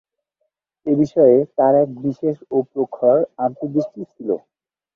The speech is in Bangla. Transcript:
এ বিষয়ে তাঁর এক বিশেষ ও প্রখর অন্তর্দৃষ্টি ছিল।